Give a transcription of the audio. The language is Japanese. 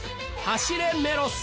『走れメロス』。